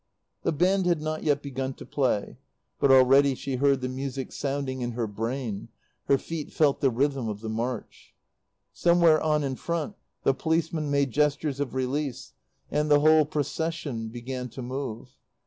The band had not yet begun to play; but already she heard the music sounding in her brain; her feet felt the rhythm of the march. Somewhere on in front the policemen made gestures of release, and the whole Procession began to move.